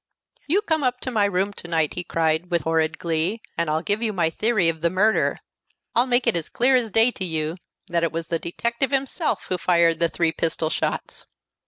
"You come up to my room to night," he cried, with horrid glee, "and I'll give you my theory of the murder. I'll make it as clear as day to you that it was the detective himself who fired the three pistol shots."